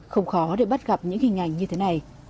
không khó để bắt gặp những hình ảnh như thế này